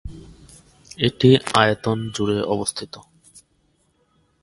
এটি আয়তন জুড়ে অবস্থিত।